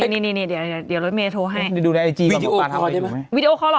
นี่นี่นี่เดี๋ยวเดี๋ยวเดี๋ยวเรื่องเมย์โทรให้ดูในไอจีกว่าวิดีโอวิดีโอเขาหรอ